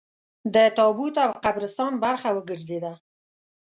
د تابوت او قبرستان برخه وګرځېده.